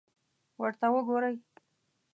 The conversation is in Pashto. ورته وګورئ!